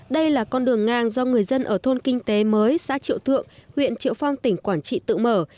đây là con đường ngang do người dân ở thôn kinh tế mới xã triệu thượng huyện triệu phong tỉnh quảng trị tự mở